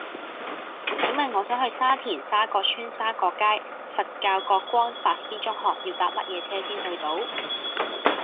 請問我想去沙田沙角邨沙角街佛教覺光法師中學要搭乜嘢車先去到